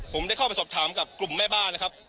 ผมได้เข้าไปสอบถามกับกลุ่มแม่บ้านนะครับ